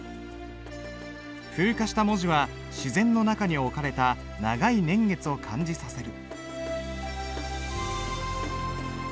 風化した文字は自然の中に置かれた長い年月を感じさせる。